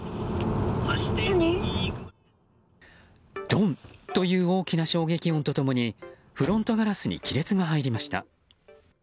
ドンという大きな衝撃音と共にフロントガラスに亀裂が入りました。